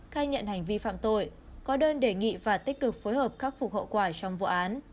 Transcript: khai nhận hành vi phạm tội có đơn đề nghị và tích cực phối hợp khắc phục hậu quả trong vụ án